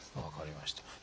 分かりました。